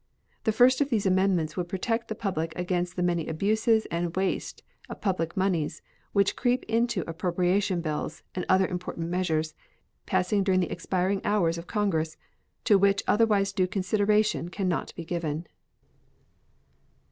The first of these amendments would protect the public against the many abuses and waste of public moneys which creep into appropriation bills and other important measures passing during the expiring hours of Congress, to which otherwise due consideration can not be given.